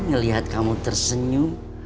ngelihat kamu tersenyum